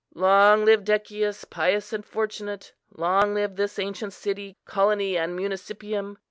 Long live Decius, pious and fortunate! Long live this ancient city, colony and municipium!